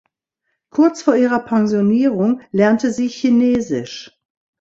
Kurz vor ihrer Pensionierung lernte sie Chinesisch.